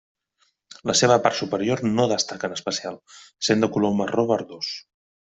La seva part superior no destaca en especial, sent de color marró verdós.